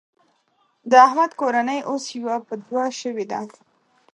د احمد کورنۍ اوس يوه په دوه شوېده.